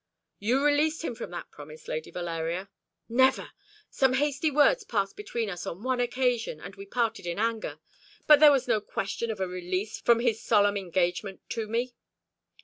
"You released him from that promise, Lady Valeria." "Never. Some hasty words passed between us on one occasion, and we parted in anger. But there was no question of a release from his solemn engagement to me."